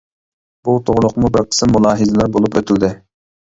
بۇ توغرۇلۇقمۇ بىر قىسىم مۇلاھىزىلەر بولۇپ ئۆتۈلدى.